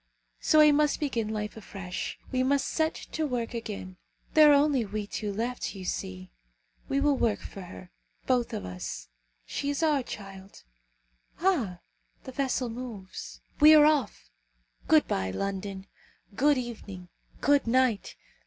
So we must begin life afresh. We must set to work again. There are only we two left, you see. We will work for her, both of us! She is our child, Ah! the vessel moves! We are off! Good bye, London! Good evening! good night!